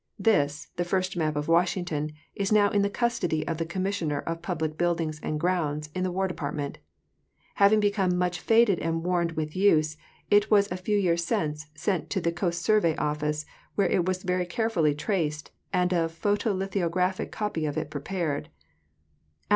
This, the first map of Washington, is now in the custody of the commissioner of public buildings and grounds, in the War Department. Having become much faded and worn with use, it was a few years since sent to the. Coast Survey office, where it was very carefully traced and a photolithographic copy of it prepared.